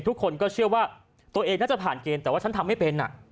ทุกคนก็เชื่อว่าตัวเองน่าจะผ่านเกณฑ์แต่ว่าฉันทำไม่เป็น